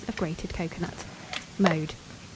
of grated cocoa nut. Mode.